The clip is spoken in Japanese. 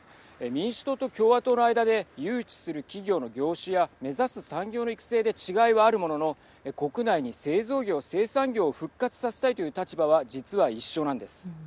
民主党と共和党の間で誘致する企業の業種や目指す産業の育成で違いはあるものの国内に製造業、生産業を復活させたいという立場は実は一緒なんです。